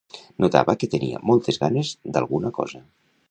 Notava que tenien moltes ganes d'alguna cosa.